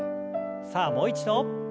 さあもう一度。